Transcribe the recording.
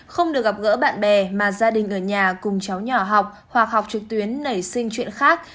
không được gặp gỡ bạn bè mà gia đình ở nhà cùng cháu nhỏ học hoặc học trực tuyến nảy sinh chuyện khác